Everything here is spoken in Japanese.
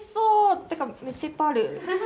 ってかめっちゃいっぱいある。